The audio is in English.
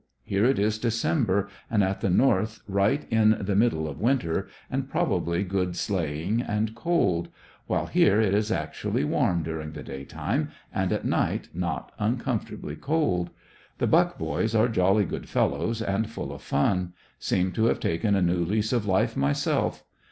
Here it is December and at the North right in the middle of winter, and probably good sleighing, and cold; while here it is actually warm during the day time, and at night not uncomfortably cold. The Buck boys are jolly good fellows, and full of fun. Seem to have taken a new lease of life myself.